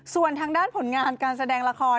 ส่วนทางด้านผลงานการแสดงละคร